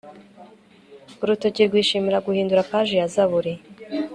Urutoki rwishimira guhindura page ya Zaburi